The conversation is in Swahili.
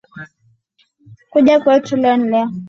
Kuja kwetu, leo ni leo